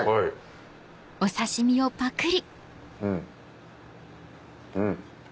うんうん。